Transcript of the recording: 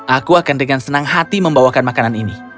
aku akan dengan senang hati membawakan makanan ini